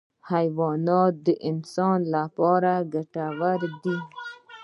حیوانات د انسان لپاره ګټور دي.